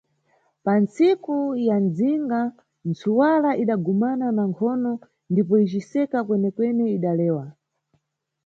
Pa ntsiku ya mdzinga, ntsuwala idagumana na nkhono ndipo iciseka kwene-kwene idalewa.